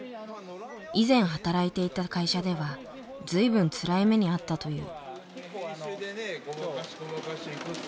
以前働いていた会社では随分つらい目に遭ったという。